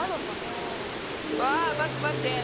あまってまって！